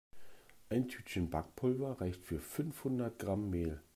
Ein Tütchen Backpulver reicht für fünfhundert Gramm Mehl.